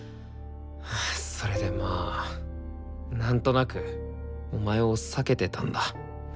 それでまあなんとなくお前を避けてたんだ。